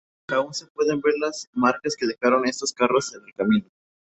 Aún se pueden ver las marcas que dejaron estos carros en el camino.